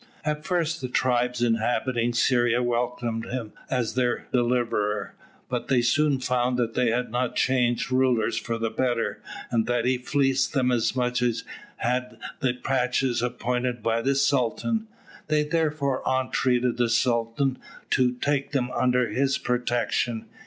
At first the tribes inhabiting Syria welcomed him as their deliverer, but they soon found that they had not changed rulers for the better, and that he fleeced them as much as had the pachas appointed by the Sultan. They therefore entreated the Sultan to take them under his protection.